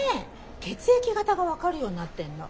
血液型が分かるようになってんの。